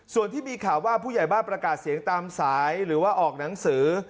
ส่วนที่มีข่าวว่าผู้ใหญ่บ้านประกาศเสียงตามสายหรือว่าออกหนังสือ